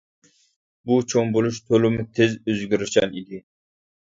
بۇ چوڭ بولۇش تولىمۇ تىز، ئۆزگىرىشچان ئىدى.